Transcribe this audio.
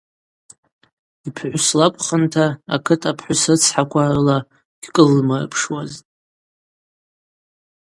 Йпхӏвыс лакӏвхынта – акыт апхӏвыс рыцхӏаква рыла гькӏыллмырпшуазтӏ.